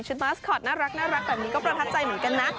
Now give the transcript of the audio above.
มาสคอตน่ารักแบบนี้ก็ประทับใจเหมือนกันนะ